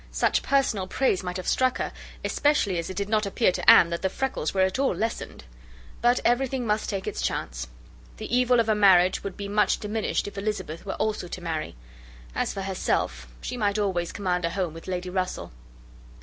Such personal praise might have struck her, especially as it did not appear to Anne that the freckles were at all lessened. But everything must take its chance. The evil of a marriage would be much diminished, if Elizabeth were also to marry. As for herself, she might always command a home with Lady Russell.